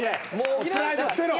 プライド捨てろ。